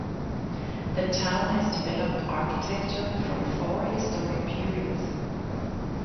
The town has developed architecture from four historic periods.